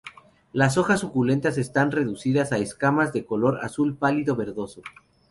Las hojas suculentas están reducidas a escamas, de color azul pálido verdoso.